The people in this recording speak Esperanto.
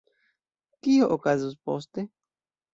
Kio okazos poste?